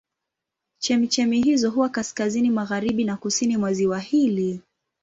Chemchemi hizo huwa kaskazini magharibi na kusini mwa ziwa hili.